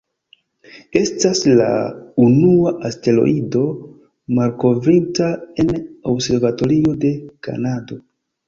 Estas la unua asteroido malkovrita en observatorio de Kanado.